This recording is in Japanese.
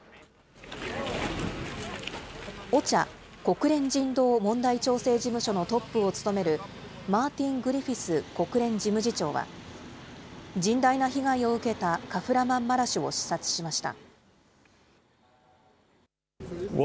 ＯＣＨＡ・国連人道問題調整事務所のトップを務めるマーティン・グリフィス国連事務次長は、甚大な被害を受けたカフラマンマラシュを視察しました。